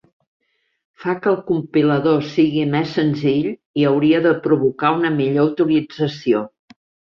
Fa que el compilador sigui més senzill i hauria de provocar una millor utilització.